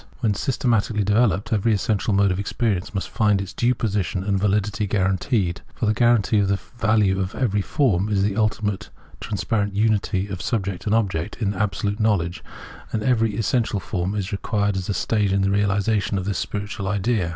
When systematically developed, * Metaphysics, 1074i, 15 1 075a, 10. xxviii Translator's Introduction every essential mode of experience must find its due position and validity guaranteed ; for the guarantee of the value of every form is the ultimate transparent unity of subject and object in Absolute Knowledge, and every essential form is required as a stage in the realisation of this spiritual idea.